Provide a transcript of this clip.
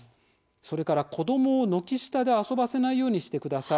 それから子どもを軒下で遊ばせないようにしてください。